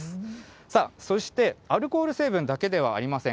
さあ、そしてアルコール成分だけではありません。